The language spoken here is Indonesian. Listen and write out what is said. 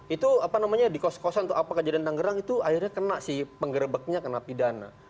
itu apa namanya di kos kosan atau apa kejadian tanggerang itu akhirnya kena si penggerebeknya kena pidana